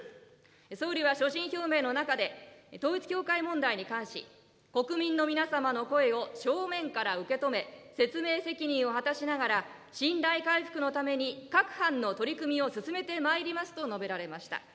総理は所信表明の中で、統一教会問題に関し、国民の皆様の声を正面から受け止め、説明責任を果たしながら、信頼回復のために各般の取り組みを進めてまいりますと述べられました。